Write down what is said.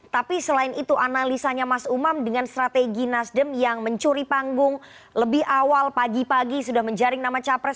tapi selain itu analisanya mas umam dengan strategi nasdem yang mencuri panggung lebih awal pagi pagi sudah menjaring nama capres